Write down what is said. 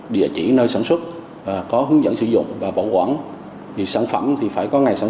địa chỉ nơi sản xuất có hướng dẫn sử dụng và bảo quản sản phẩm thì phải có ngày sản